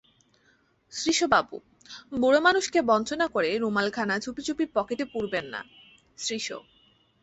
– শ্রীশবাবু, বুড়োমানুষকে বঞ্চনা করে রুমালখানা চুপিচুপি পকেটে পুরবেন না– শ্রীশ।